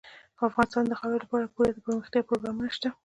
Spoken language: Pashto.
افغانستان کې د خاورې لپاره پوره دپرمختیا پروګرامونه شته دي.